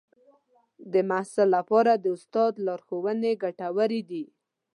د محصل لپاره د استاد لارښوونې ګټورې دي.